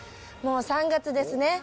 もう３月ですね。